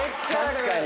確かに。